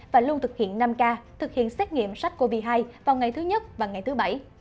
và luôn thực hiện năm k thực hiện xác nghiệm sách covid một mươi chín vào ngày thứ nhất và ngày thứ bảy